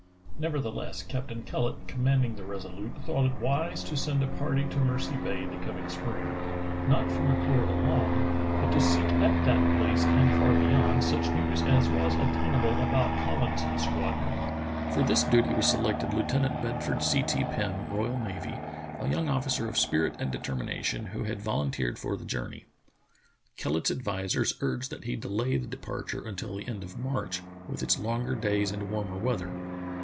" Nevertheless, Captain Kellet, commanding the Res olute, thought it wise to send a party to Mercy Bay the coming spring, not for M'Clure alone, but to seek at The Journey of Bedford Pirn 87 that place and far beyond such news as was attainable about Collinson's squadron. For this duty was selected Lieutenant Bedford C. T. Pirn, R.N., a young officer of spirit and determination, who had volunteered for the journey. Kellet's advisers urged that he delay the departure until the end of March, with its longer days and warmer weather.